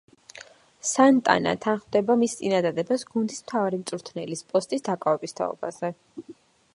სანტანა თანხმდება მის წინადადებას გუნდის მთავარი მწვრთნელის პოსტის დაკავების თაობაზე.